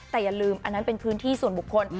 แต่อย่าลืมอันนั้นเป็นพื้นที่ส่วนบุคคล